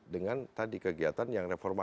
dengan tadi kegiatan yang reformasi